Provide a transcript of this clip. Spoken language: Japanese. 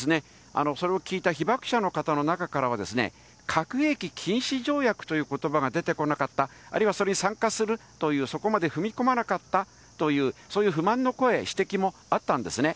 それを聞いた被爆者の方の中からは、核兵器禁止条約ということばが出てこなかった、あるいはそれに参加するという、そこまで踏み込まなかったという、そういう不満の声、指摘もあったんですね。